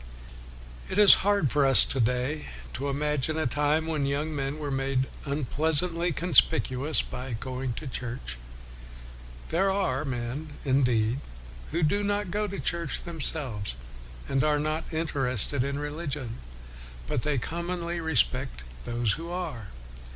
It is hard for us to day to imagine a time when young men were made un pleasantly conspicuous by going to church. There are men, indeed, who do not go to church themselves, and are not interested in religion, but they commonly respect those who are.